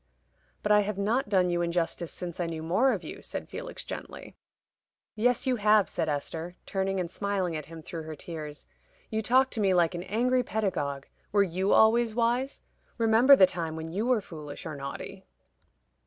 "But I have not done you injustice since I knew more of you," said Felix, gently. "Yes, you have," said Esther, turning and smiling at him through her tears. "You talk to me like an angry pedagogue. Were you always wise? Remember the time when you were foolish or naughty."